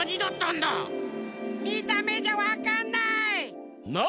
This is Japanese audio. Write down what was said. みためじゃわかんない。